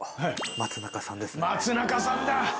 松中さんだ。